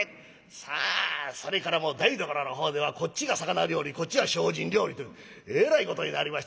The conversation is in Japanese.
さあそれからもう台所のほうではこっちが魚料理こっちは精進料理というえらいことになりまして。